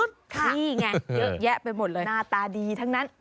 นี่ไงเยอะแยะไปหมดเลยหน้าตาดีทั้งนั้น